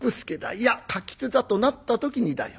『いや家橘だ』となった時にだよ